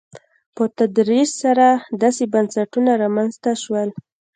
په تدریج سره داسې بنسټونه رامنځته شول.